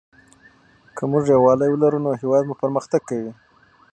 که موږ یووالي ولرو نو هېواد مو پرمختګ کوي.